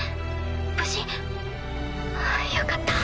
無事？あっよかった。